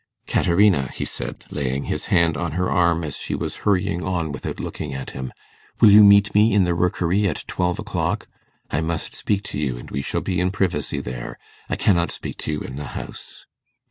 'Caterina,' he said, laying his hand on her arm as she was hurrying on without looking at him, 'will you meet me in the Rookery at twelve o'clock? I must speak to you, and we shall be in privacy there. I cannot speak to you in the house.